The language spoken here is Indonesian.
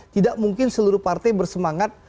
tidak mungkin seluruh partai bersemangat